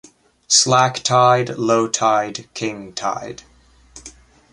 Slack tide, low tide, king tide.